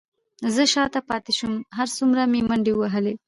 زه شاته پاتې شوم، هر څومره مې منډې وهلې،